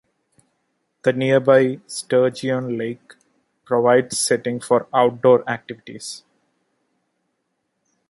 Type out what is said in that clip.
The nearby Sturgeon Lake provides setting for outdoor activities.